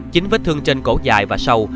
chính vết thương trên cổ dài và sâu